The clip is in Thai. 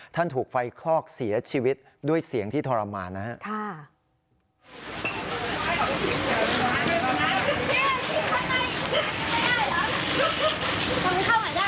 ถูกไฟคลอกเสียชีวิตด้วยเสียงที่ทรมานนะครับ